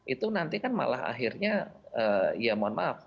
itu nanti kan malah akhirnya ya mohon maaf